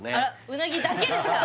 うなぎだけですか？